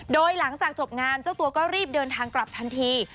โดยหลังจากจบงานเจ้าตัวก็รีบเดินทางกลับทันที